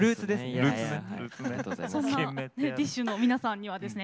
そんなＤＩＳＨ／／の皆さんにはですね